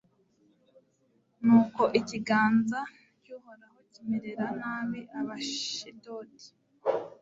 nuko ikiganza cy'uhoraho kimerera nabi abashidodi